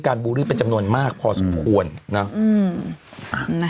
การบูรีเป็นจำนวนมากพอสมควรอืม